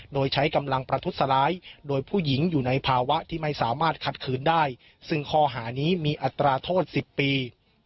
โดยใช้กำลังประทุษร้ายโดยผู้หญิงอยู่ในภาวะที่ไม่สามารถขัดขืนได้ซึ่งข้อหานี้มีอัตราโทษ๑๐ปี